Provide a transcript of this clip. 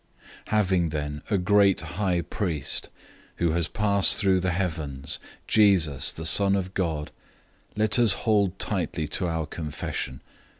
004:014 Having then a great high priest, who has passed through the heavens, Jesus, the Son of God, let us hold tightly to our confession.